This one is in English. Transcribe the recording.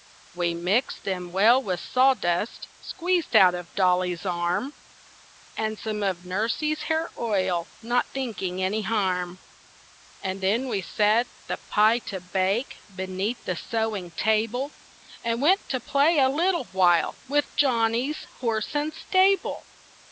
We mixed them well with sawdust Squeezed out of Dolly's arm, And some of Nursie's hair oil, Not thinking any harm. And then we set the pie to bake, Beneath the sewing table; And went to play a little while With Johnny's horse and stable.